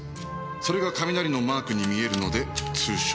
それが雷のマークに見えるので通称イカズチ。